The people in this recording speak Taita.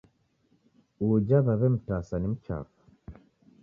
Uja w'aw'emtasa ni mchafu.